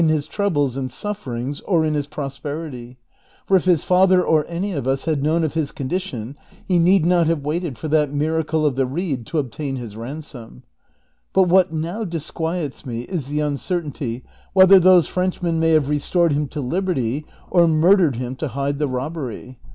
either in Ms troubles and sufferings, or in his prosperity, for if his father or any of us had known of his condition he need not have waited for that miracle of the reed to obtain his ransom ; but what now disquiets me is the uncertainty whether those Frenchmen may have restored him to liberty, or murdered him to hide the robbery.